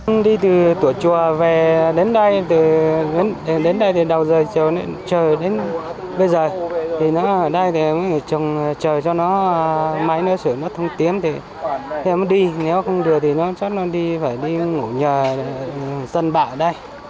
nói chung khi nó xử lý lễ chế nó sẽ đi nếu không được thì nó chắc nó đi phải đi ngủ nhà dân bảo ở đây